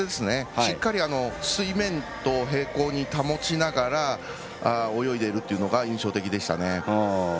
しっかり水面と平行に保ちながら泳いでいるというのが印象的でしたね。